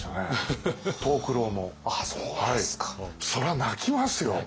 そら泣きますよ。